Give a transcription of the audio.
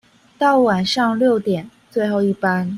到晚上六點最後一班